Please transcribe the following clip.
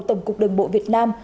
tổng cục đường bộ việt nam